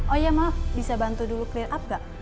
oh ya maaf bisa bantu dulu clear up gak